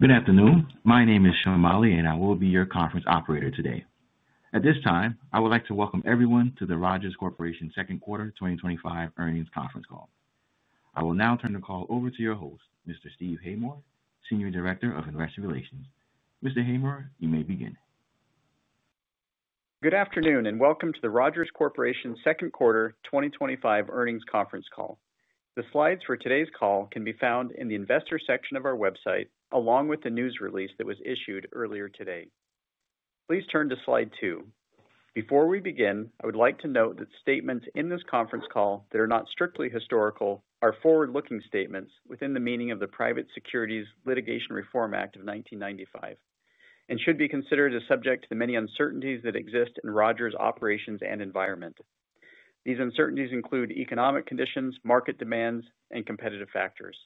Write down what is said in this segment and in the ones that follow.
Good afternoon. My name is Sean Molly, and I will be your conference operator today. At this time, I would like to welcome everyone to the Rogers Corporation Second Quarter 2025 Earnings Conference Call. I will now turn the call over to your host, Mr. Steve Haymore, Senior Director of Investor Relations. Mr. Haymore, you may begin. Good afternoon and welcome to the Rogers Corporation Second Quarter 2025 Earnings Conference Call. The slides for today's call can be found in the Investor section of our website, along with the news release that was issued earlier today. Please turn to slide two. Before we begin, I would like to note that statements in this conference call that are not strictly historical are forward-looking statements within the meaning of the Private Securities Litigation Reform Act of 1995, and should be considered as subject to the many uncertainties that exist in Rogers' operations and environment. These uncertainties include economic conditions, market demands, and competitive factors.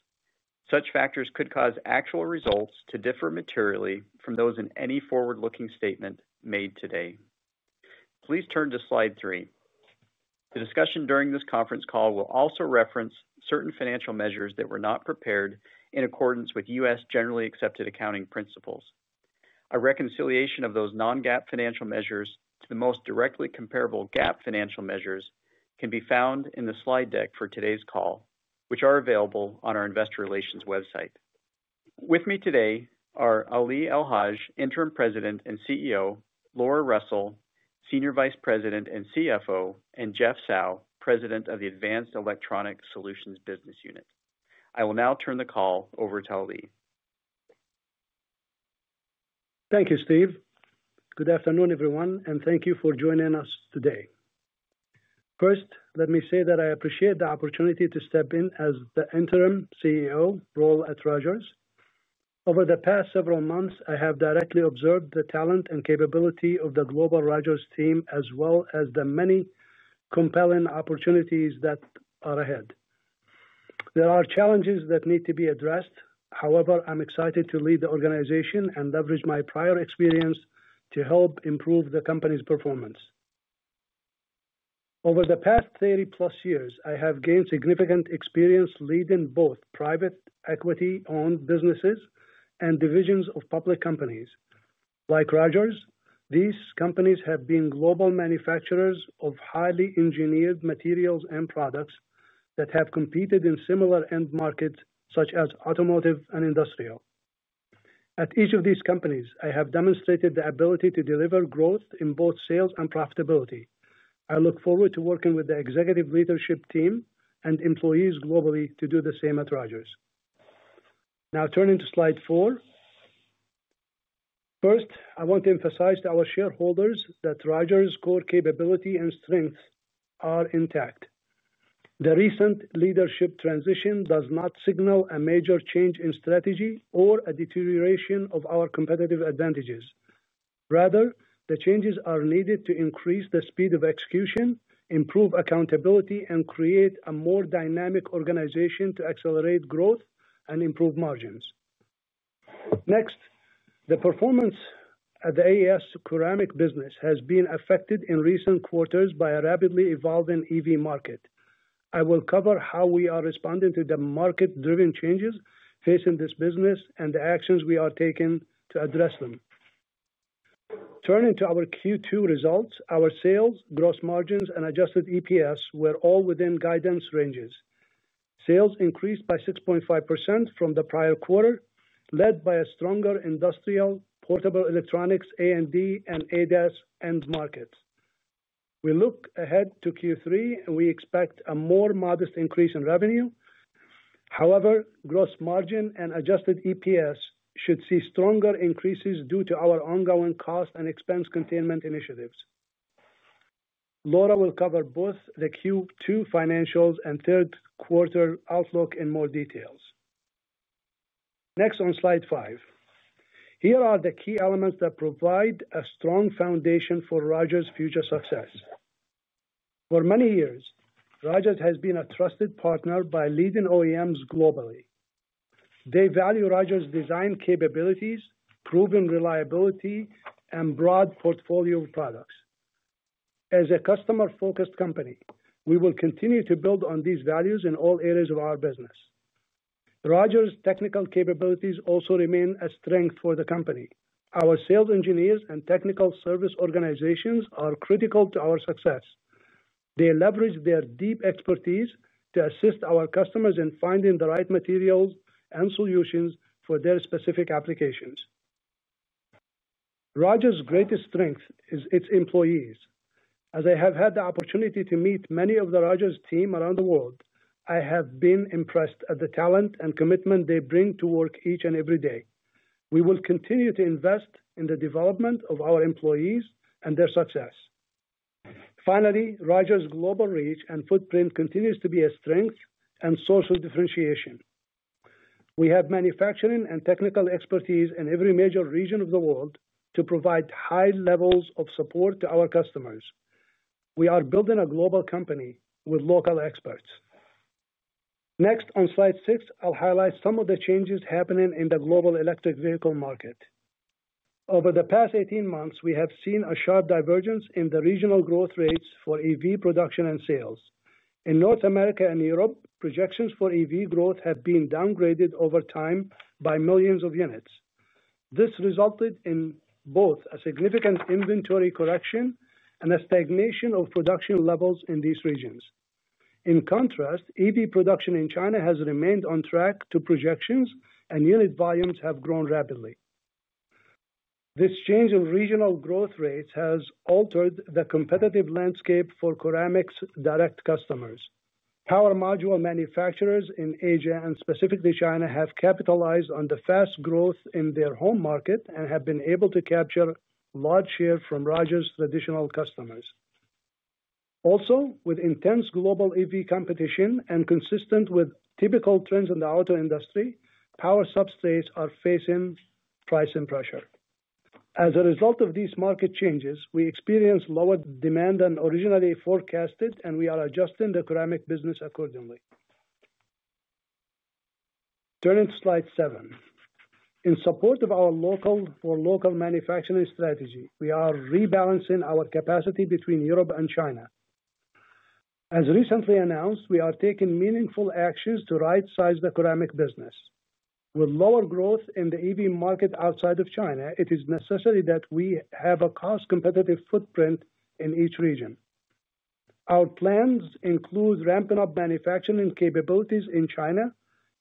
Such factors could cause actual results to differ materially from those in any forward-looking statement made today. Please turn to slide three. The discussion during this conference call will also reference certain financial measures that were not prepared in accordance with U.S. generally accepted accounting principles. A reconciliation of those non-GAAP financial measures to the most directly comparable GAAP financial measures can be found in the slide deck for today's call, which are available on our Investor Relations website. With me today are Ali El-Haj, Interim President and CEO; Laura Russell, Senior Vice President and CFO; and Jeff Tsao, President of the Advanced Electronic Solutions Business Unit. I will now turn the call over to Ali. Thank you, Steve. Good afternoon, everyone, and thank you for joining us today. First, let me say that I appreciate the opportunity to step in as the Interim CEO role at Rogers. Over the past several months, I have directly observed the talent and capability of the global Rogers team, as well as the many compelling opportunities that are ahead. There are challenges that need to be addressed. However, I'm excited to lead the organization and leverage my prior experience to help improve the company's performance. Over the past 30+ years, I have gained significant experience leading both private equity-owned businesses and divisions of public companies. Like Rogers, these companies have been global manufacturers of highly engineered materials and products that have competed in similar end markets such as automotive and industrial. At each of these companies, I have demonstrated the ability to deliver growth in both sales and profitability. I look forward to working with the executive leadership team and employees globally to do the same at Rogers. Now turning to slide four. First, I want to emphasize to our shareholders that Rogers' core capability and strengths are intact. The recent leadership transition does not signal a major change in strategy or a deterioration of our competitive advantages. Rather, the changes are needed to increase the speed of execution, improve accountability, and create a more dynamic organization to accelerate growth and improve margins. Next, the performance of the AES curamik business has been affected in recent quarters by a rapidly evolving EV market. I will cover how we are responding to the market-driven changes facing this business and the actions we are taking to address them. Turning to our Q2 results, our sales, gross margins, and adjusted EPS were all within guidance ranges. Sales increased by 6.5% from the prior quarter, led by a stronger industrial, portable electronics, A&D, and ADAS end markets. We look ahead to Q3 and we expect a more modest increase in revenue. However, gross margin and adjusted EPS should see stronger increases due to our ongoing cost and expense containment initiatives. Laura will cover both the Q2 financials and third quarter outlook in more details. Next, on slide five, here are the key elements that provide a strong foundation for Rogers' future success. For many years, Rogers has been a trusted partner by leading OEMs globally. They value Rogers' design capabilities, proven reliability, and broad portfolio of products. As a customer-focused company, we will continue to build on these values in all areas of our business. Rogers' technical capabilities also remain a strength for the company. Our sales engineers and technical service organizations are critical to our success. They leverage their deep expertise to assist our customers in finding the right materials and solutions for their specific applications. Rogers' greatest strength is its employees. As I have had the opportunity to meet many of the Rogers team around the world, I have been impressed at the talent and commitment they bring to work each and every day. We will continue to invest in the development of our employees and their success. Finally, Rogers' global reach and footprint continue to be a strength and source of differentiation. We have manufacturing and technical expertise in every major region of the world to provide high levels of support to our customers. We are building a global company with local experts. Next, on slide six, I'll highlight some of the changes happening in the global electric vehicle market. Over the past 18 months, we have seen a sharp divergence in the regional growth rates for EV production and sales. In North America and Europe, projections for EV growth have been downgraded over time by millions of units. This resulted in both a significant inventory correction and a stagnation of production levels in these regions. In contrast, EV production in China has remained on track to projections, and unit volumes have grown rapidly. This change in regional growth rates has altered the competitive landscape for curamik's direct customers. Power module manufacturers in Asia and specifically China have capitalized on the fast growth in their home market and have been able to capture large shares from Rogers' traditional customers. Also, with intense global EV competition and consistent with typical trends in the auto industry, power substrates are facing pricing pressure. As a result of these market changes, we experience lower demand than originally forecasted, and we are adjusting the curamik business accordingly. Turning to slide seven. In support of our local for local manufacturing strategy, we are rebalancing our capacity between Europe and China. As recently announced, we are taking meaningful actions to right-size the curamik business. With lower growth in the EV market outside of China, it is necessary that we have a cost-competitive footprint in each region. Our plans include ramping up manufacturing capabilities in China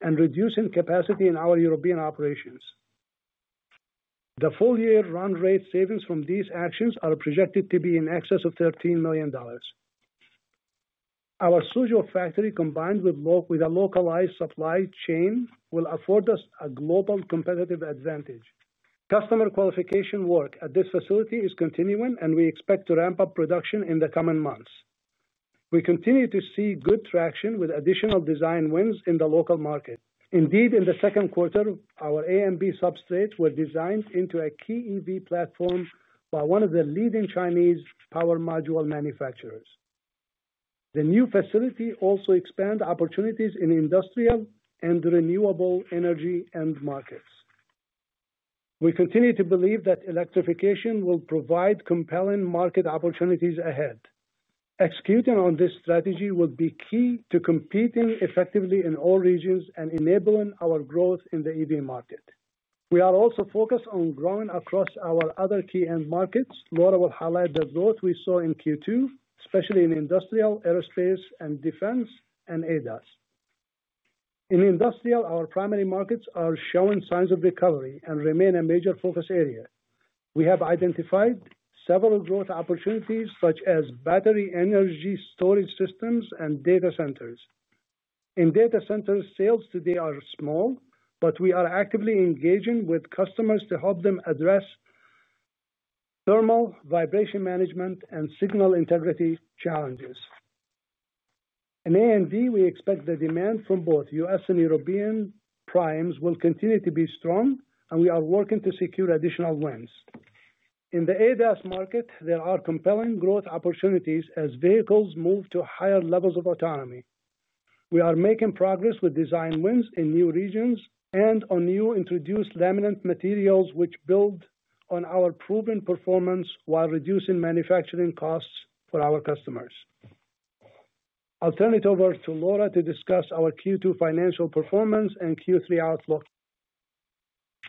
and reducing capacity in our European operations. The full-year run-rate savings from these actions are projected to be in excess of $13 million. Our Suzhou factory, combined with a localized supply chain, will afford us a global competitive advantage. Customer qualification work at this facility is continuing, and we expect to ramp up production in the coming months. We continue to see good traction with additional design wins in the local market. Indeed, in the second quarter, our AMB substrates were designed into a key EV platform by one of the leading Chinese power module manufacturers. The new facility also expands opportunities in industrial and renewable energy end markets. We continue to believe that electrification will provide compelling market opportunities ahead. Executing on this strategy will be key to competing effectively in all regions and enabling our growth in the EV market. We are also focused on growing across our other key end markets. Laura will highlight the growth we saw in Q2, especially in industrial, aerospace, defense, and ADAS. In industrial, our primary markets are showing signs of recovery and remain a major focus area. We have identified several growth opportunities, such as battery energy storage systems and data centers. In data centers, sales today are small, but we are actively engaging with customers to help them address thermal vibration management and signal integrity challenges. In A&D, we expect the demand from both U.S. and European primes will continue to be strong, and we are working to secure additional wins. In the ADAS market, there are compelling growth opportunities as vehicles move to higher levels of autonomy. We are making progress with design wins in new regions and on new introduced laminate materials, which build on our proven performance while reducing manufacturing costs for our customers. I'll turn it over to Laura to discuss our Q2 financial performance and Q3 outlook.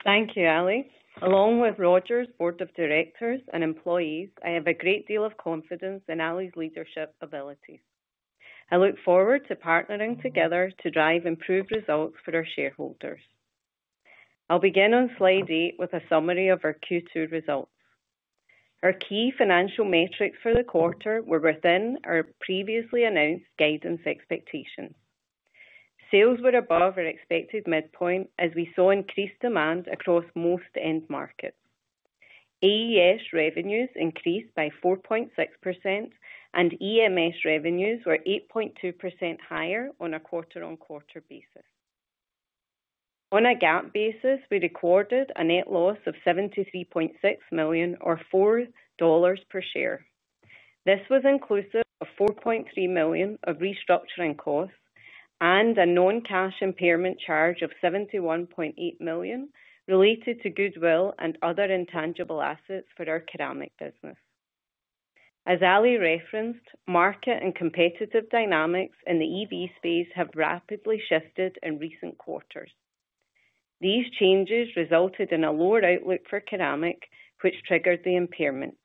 Thank you, Ali. Along with Rogers' Board of Directors and employees, I have a great deal of confidence in Ali's leadership abilities. I look forward to partnering together to drive improved results for our shareholders. I'll begin on slide eight with a summary of our Q2 results. Our key financial metrics for the quarter were within our previously announced guidance expectations. Sales were above our expected midpoint, as we saw increased demand across most end markets. AES revenues increased by 4.6%, and EMS revenues were 8.2% higher on a quarter-on-quarter basis. On a GAAP basis, we recorded a net loss of $73.6 million, or $4 per share. This was inclusive of $4.3 million of restructuring costs and a non-cash impairment charge of $71.8 million related to goodwill and other intangible assets for our curamik business. As Ali referenced, market and competitive dynamics in the EV space have rapidly shifted in recent quarters. These changes resulted in a lower outlook for curamik, which triggered the impairment.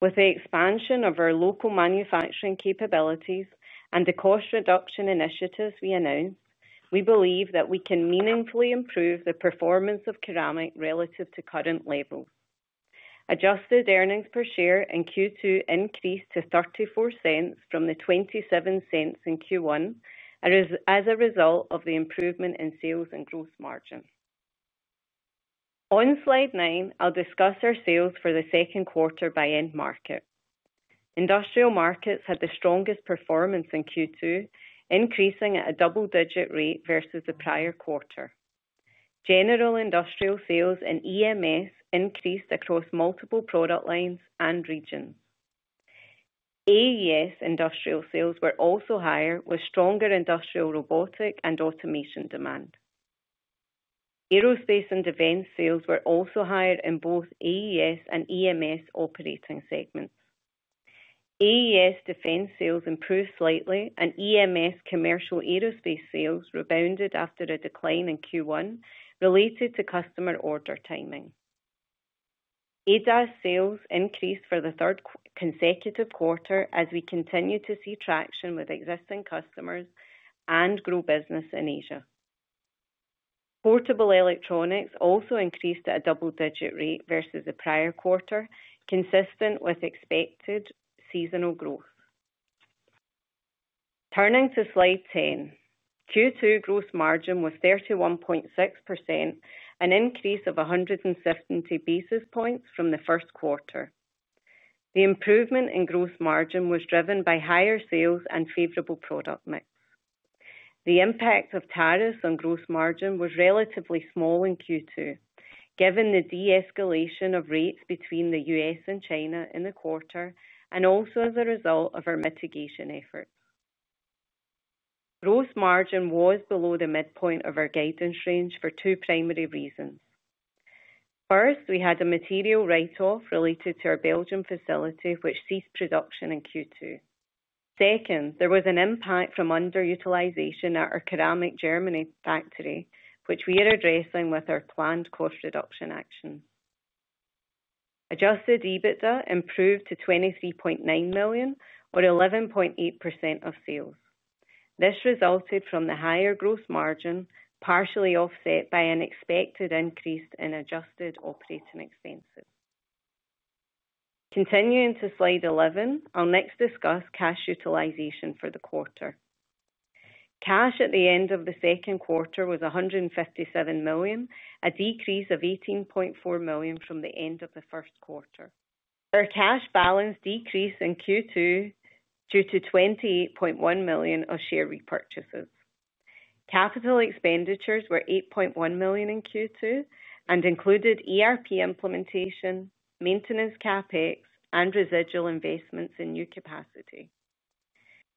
With the expansion of our local manufacturing capabilities and the cost reduction initiatives we announced, we believe that we can meaningfully improve the performance of curamik relative to current levels. Adjusted earnings per share in Q2 increased to $0.34 from the $0.27 in Q1, as a result of the improvement in sales and gross margin. On slide nine, I'll discuss our sales for the second quarter by end market. Industrial markets had the strongest performance in Q2, increasing at a double-digit rate versus the prior quarter. General industrial sales and EMS increased across multiple product lines and regions. AES industrial sales were also higher, with stronger industrial robotic and automation demand. Aerospace & Defense sales were also higher in both AES and EMS operating segments. AES defense sales improved slightly, and EMS commercial aerospace sales rebounded after a decline in Q1 related to customer order timing. ADAS sales increased for the third consecutive quarter, as we continue to see traction with existing customers and grow business in Asia. Portable electronics also increased at a double-digit rate versus the prior quarter, consistent with expected seasonal growth. Turning to slide ten, Q2 gross margin was 31.6%, an increase of 152 basis points from the first quarter. The improvement in gross margin was driven by higher sales and favorable product mix. The impact of tariffs on gross margin was relatively small in Q2, given the de-escalation of rates between the U.S. and China in the quarter, and also as a result of our mitigation efforts. Gross margin was below the midpoint of our guidance range for two primary reasons. First, we had a material write-off related to our Belgium facility, which ceased production in Q2. Second, there was an impact from underutilization at our curamik Germany factory, which we are addressing with our planned cost reduction action. Adjusted EBITDA improved to $23.9 million, or 11.8% of sales. This resulted from the higher gross margin, partially offset by an expected increase in adjusted operating expenses. Continuing to slide 11, I'll next discuss cash utilization for the quarter. Cash at the end of the second quarter was $157 million, a decrease of $18.4 million from the end of the first quarter. Our cash balance decreased in Q2 due to $28.1 million of share repurchases. Capital expenditures were $8.1 million in Q2 and included ERP implementation, maintenance CapEx, and residual investments in new capacity.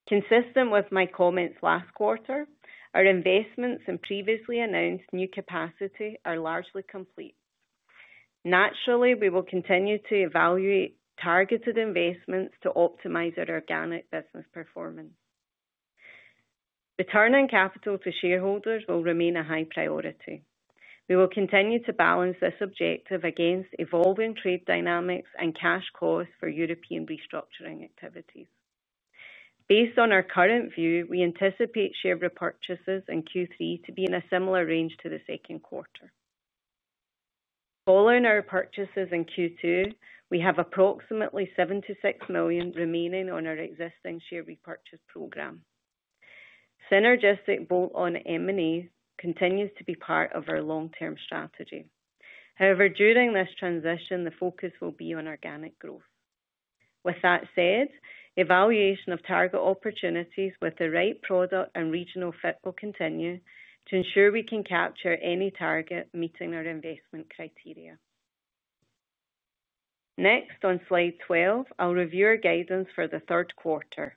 Consistent with my comments last quarter, our investments in previously announced new capacity are largely complete. Naturally, we will continue to evaluate targeted investments to optimize our organic business performance. Returning capital to shareholders will remain a high priority. We will continue to balance this objective against evolving trade dynamics and cash costs for European restructuring activities. Based on our current view, we anticipate share repurchases in Q3 to be in a similar range to the second quarter. Following our purchases in Q2, we have approximately $76 million remaining on our existing share repurchase program. Synergistic bought-on M&A continues to be part of our long-term strategy. However, during this transition, the focus will be on organic growth. With that said, evaluation of target opportunities with the right product and regional fit will continue to ensure we can capture any target meeting our investment criteria. Next, on slide 12, I'll review our guidance for the third quarter.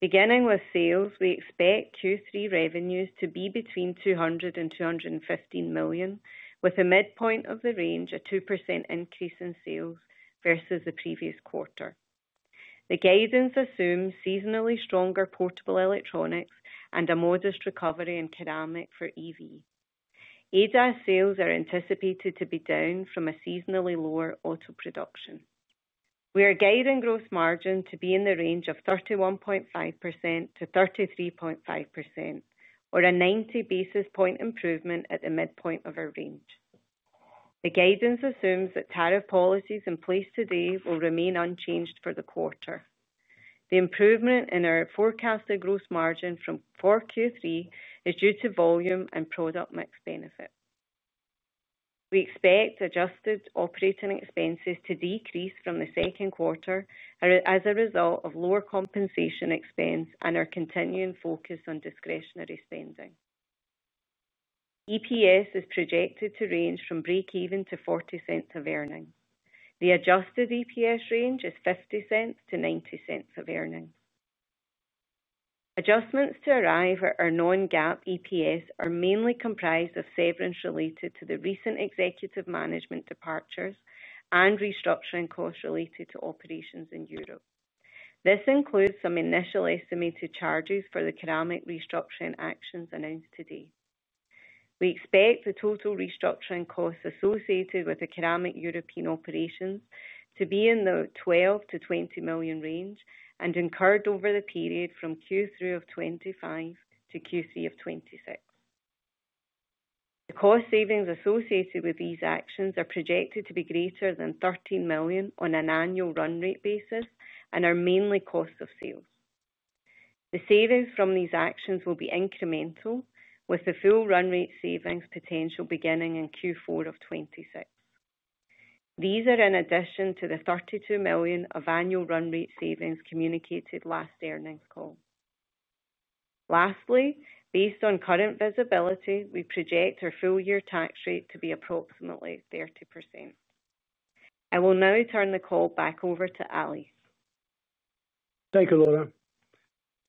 Beginning with sales, we expect Q3 revenues to be between $200 million and $215 million, with a midpoint of the range of a 2% increase in sales versus the previous quarter. The guidance assumes seasonally stronger portable electronics and a modest recovery in curamik for EV. ADAS sales are anticipated to be down from a seasonally lower auto production. We are guiding gross margin to be in the range of 31.5%-33.5%, or a 90 basis point improvement at the midpoint of our range. The guidance assumes that tariff policies in place today will remain unchanged for the quarter. The improvement in our forecasted gross margin for Q3 is due to volume and product mix benefits. We expect adjusted operating expenses to decrease from the second quarter as a result of lower compensation expense and our continuing focus on discretionary spending. EPS is projected to range from break-even to $0.40 of earning. The adjusted EPS range is $0.50-$0.90 of earning. Adjustments to arrive at our non-GAAP EPS are mainly comprised of severance related to the recent executive management departures and restructuring costs related to operations in Europe. This includes some initial estimated charges for the curamik restructuring actions announced today. We expect the total restructuring costs associated with the curamik European operations to be in the $12 million-$20 million range and incurred over the period from Q3 of 2025 to Q3 of 2026. The cost savings associated with these actions are projected to be greater than $13 million on an annual run rate basis and are mainly cost of sales. The savings from these actions will be incremental, with the full run rate savings potential beginning in Q4 of 2026. These are in addition to the $32 million of annual run rate savings communicated last earnings call. Lastly, based on current visibility, we project our full-year tax rate to be approximately 30%. I will now turn the call back over to Ali. Thank you, Laura.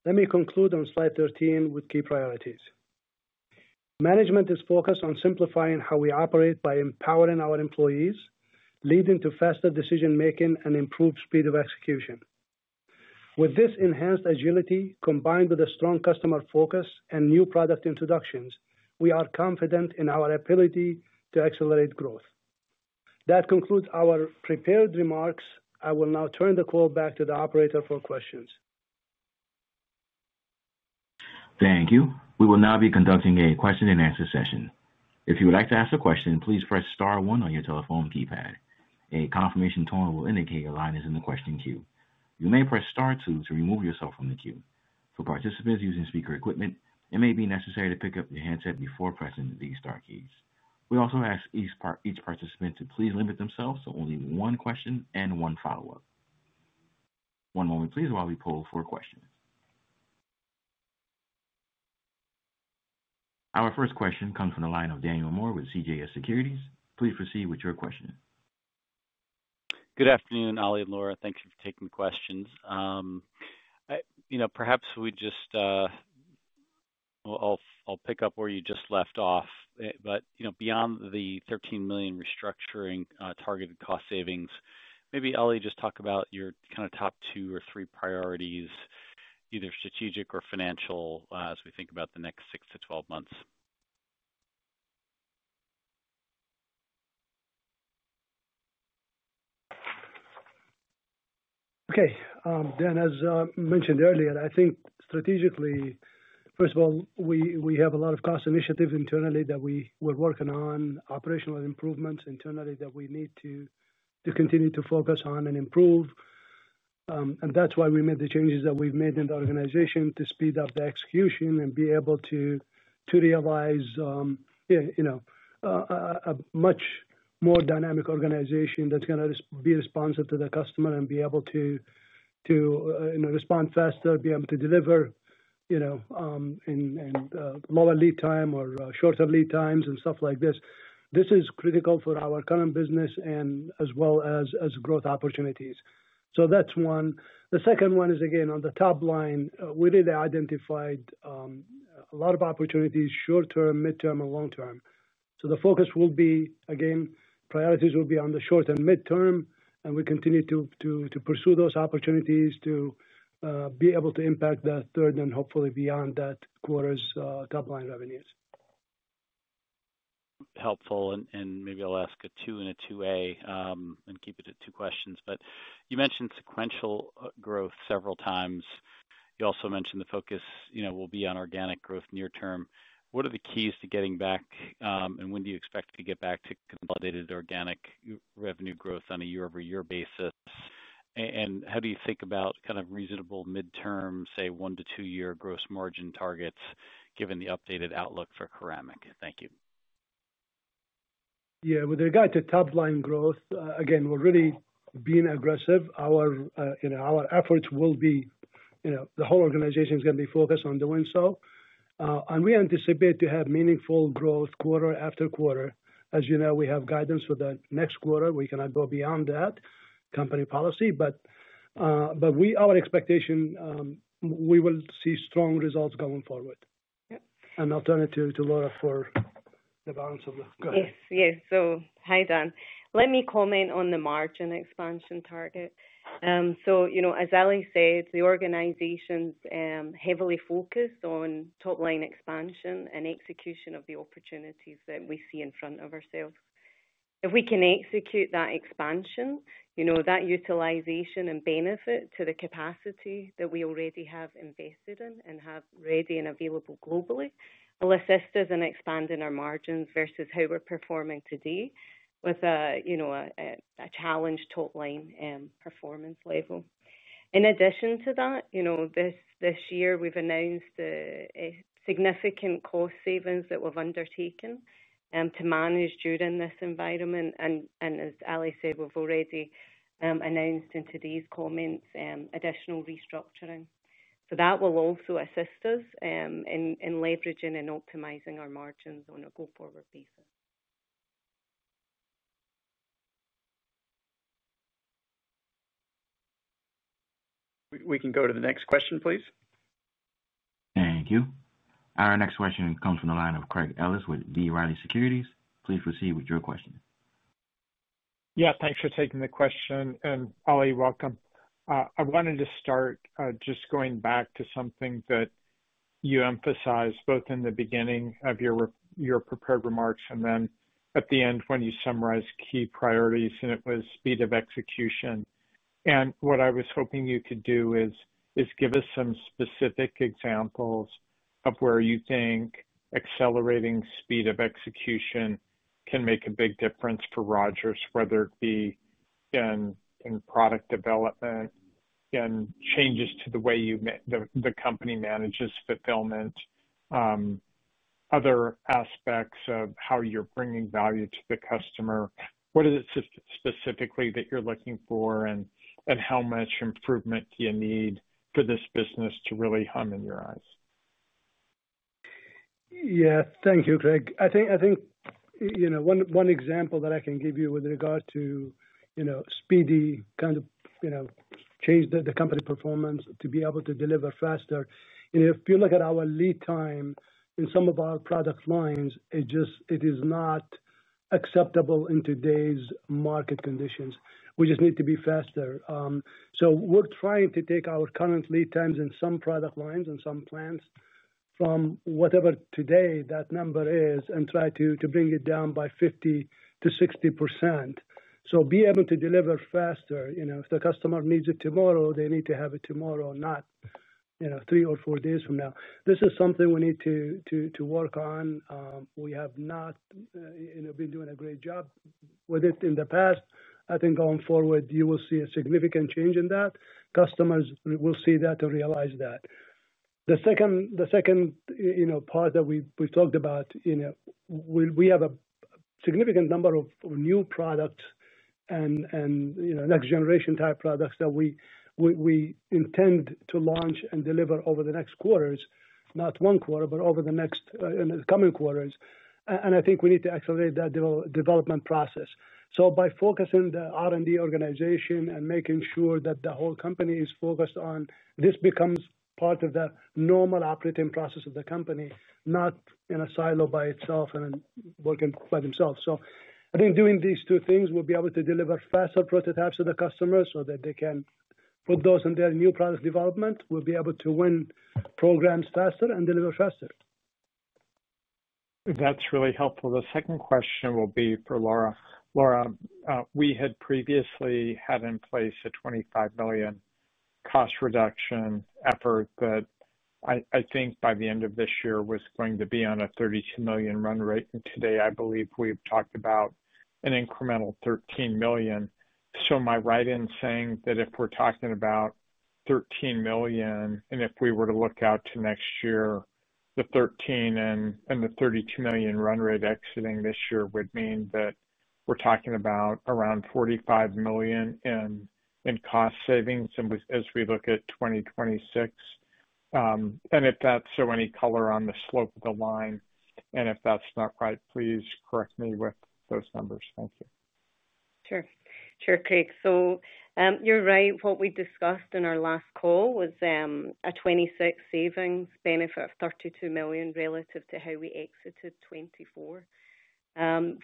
Let me conclude on slide 13 with key priorities. Management is focused on simplifying how we operate by empowering our employees, leading to faster decision-making and improved speed of execution. With this enhanced agility, combined with a strong customer focus and new product introductions, we are confident in our ability to accelerate growth. That concludes our prepared remarks. I will now turn the call back to the operator for questions. Thank you. We will now be conducting a question and answer session. If you would like to ask a question, please press star one on your telephone keypad. A confirmation tone will indicate your line is in the question queue. You may press star two to remove yourself from the queue. For participants using speaker equipment, it may be necessary to pick up your headset before pressing the star keys. We also ask each participant to please limit themselves to only one question and one follow-up. One moment, please, while we pull for a question. Our first question comes from the line of Daniel Moore with CJS Securities. Please proceed with your question. Good afternoon, Ali and Laura. Thank you for taking the questions. Perhaps we just, I'll pick up where you just left off. Beyond the $13 million restructuring targeted cost savings, maybe Ali, just talk about your kind of top two or three priorities, either strategic or financial, as we think about the next 6 to 12 months. Okay. Dan, as mentioned earlier, I think strategically, first of all, we have a lot of cost initiatives internally that we're working on, operational improvements internally that we need to continue to focus on and improve. That's why we made the changes that we've made in the organization to speed up the execution and be able to realize a much more dynamic organization that's going to be responsive to the customer and be able to respond faster, be able to deliver and lower lead time or shorter lead times and stuff like this. This is critical for our current business as well as growth opportunities. That's one. The second one is, again, on the top line, we did identify a lot of opportunities short-term, mid-term, and long-term. The focus will be, again, priorities will be on the short and mid-term, and we continue to pursue those opportunities to be able to impact that third and hopefully beyond that quarter's top line revenues. Helpful, and maybe I'll ask a two and a two A and keep it at two questions. You mentioned sequential growth several times. You also mentioned the focus, you know, will be on organic growth near-term. What are the keys to getting back, and when do you expect to get back to consolidated organic revenue growth on a year-over-year basis? How do you think about kind of reasonable mid-term, say, one to two-year gross margin targets given the updated outlook for curamik? Thank you. With regard to top line growth, we're really being aggressive. Our efforts will be, you know, the whole organization is going to be focused on doing so. We anticipate to have meaningful growth quarter-after-quarter. As you know, we have guidance for the next quarter. We cannot go beyond that company policy. Our expectation is we will see strong results going forward. Yeah. And I'll turn you to Laura for the balance of the go ahead. Yes, yes. Hi Dan. Let me comment on the margin expansion target. As Ali said, the organization's heavily focused on top-line expansion and execution of the opportunities that we see in front of ourselves. If we can execute that expansion, that utilization and benefit to the capacity that we already have invested in and have ready and available globally, it'll assist us in expanding our margins versus how we're performing today with a challenged top-line performance level. In addition to that, this year we've announced the significant cost savings that we've undertaken to manage during this environment. As Ali said, we've already announced in today's comments additional restructuring. That will also assist us in leveraging and optimizing our margins on a go-forward basis. We can go to the next question, please. Thank you. Our next question comes from the line of Craig Ellis with B. Riley Securities. Please proceed with your question. Yeah, thanks for taking the question. Ali, welcome. I wanted to start just going back to something that you emphasized both in the beginning of your prepared remarks and at the end when you summarized key priorities, and it was speed of execution. What I was hoping you could do is give us some specific examples of where you think accelerating speed of execution can make a big difference for Rogers, whether it be in product development, changes to the way the company manages fulfillment, or other aspects of how you're bringing value to the customer. What is it specifically that you're looking for and how much improvement do you need for this business to really hum in your eyes? Thank you, Craig. I think one example that I can give you with regard to speedy kind of change, the company performance to be able to deliver faster. If you look at our lead time in some of our product lines, it is not acceptable in today's market conditions. We just need to be faster. We're trying to take our current lead times in some product lines and some plans from whatever today that number is and try to bring it down by 50%-60% to be able to deliver faster. If the customer needs it tomorrow, they need to have it tomorrow, not three or four days from now. This is something we need to work on. We have not been doing a great job with it in the past. I think going forward, you will see a significant change in that. Customers will see that and realize that. The second part that we've talked about, we have a significant number of new products and next-generation type products that we intend to launch and deliver over the next quarters, not one quarter, but over the next and the coming quarters. I think we need to accelerate that development process. By focusing the R&D organization and making sure that the whole company is focused on this, it becomes part of the normal operating process of the company, not in a silo by itself and working by themselves. I think doing these two things, we'll be able to deliver faster prototypes to the customers so that they can put those in their new product development. We'll be able to win programs faster and deliver faster. That's really helpful. The second question will be for Laura. Laura, we had previously had in place a $25 million cost reduction effort that I think by the end of this year was going to be on a $32 million run rate. Today, I believe we've talked about an incremental $13 million. Am I right in saying that if we're talking about $13 million and if we were to look out to next year, the $13 million and the $32 million run rate exiting this year would mean that we're talking about around $45 million in cost savings as we look at 2026? If that's so, any color on the slope of the line, and if that's not right, please correct me with those numbers. Thank you. Sure, Craig. You're right. What we discussed in our last call was a 2026 savings benefit of $32 million relative to how we exited 2024.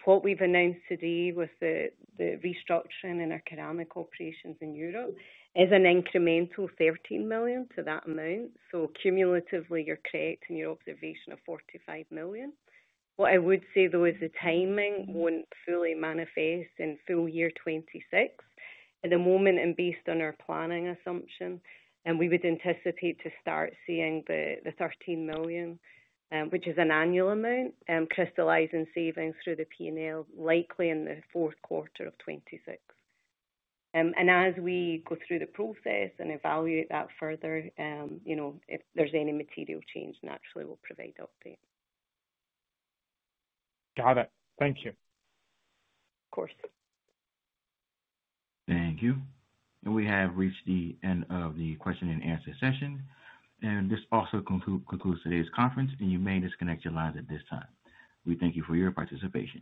What we've announced today with the restructuring in our curamik operations in Europe is an incremental $13 million to that amount. Cumulatively, you're correct in your observation of $45 million. What I would say, though, is the timing won't fully manifest in full year 2026. At the moment, and based on our planning assumption, we would anticipate to start seeing the $13 million, which is an annual amount, crystallize in savings through the P&L likely in the fourth quarter of 2026. As we go through the process and evaluate that further, if there's any material change, naturally, we'll provide updates. Got it. Thank you. Of course. Thank you. We have reached the end of the question and answer session. This also concludes today's conference, and you may disconnect your lines at this time. We thank you for your participation.